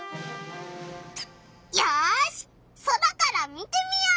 よし空から見てみよう！